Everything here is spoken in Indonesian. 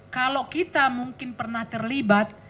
kalau kita mungkin pernah terlibat